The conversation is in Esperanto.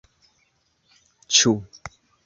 ĉu